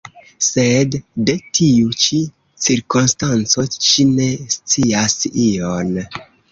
Sed de tiu ĉi cirkonstanco ŝi ne scias ion.